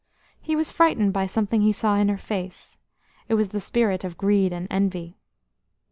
He was frightened by something he saw in her face; it was the spirit of greed and envy.